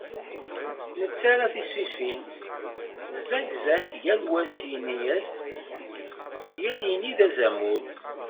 Nettarra tisfifin, d zagzag, yal wa s yini-s, yal ini d azamul.